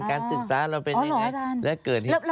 การศึกษาเราเป็นอย่างไรและเกิดที่อ๋ออาจารย์